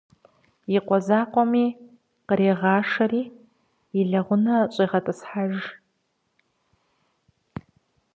И къуэ закъуэми кърегъашэри и лэгъунэ щӀегъэтӀысхьэж.